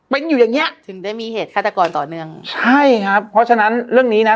เป็นอยู่อย่างเงี้ยถึงได้มีเหตุฆาตกรต่อเนื่องใช่ครับเพราะฉะนั้นเรื่องนี้นะ